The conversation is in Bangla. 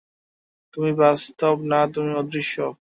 তুমি বাস্তব না, তুমি অদৃশ্য।